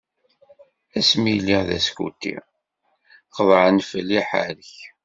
Asmi lliɣ d askuti, qeḍɛen fell-i aḥerrek.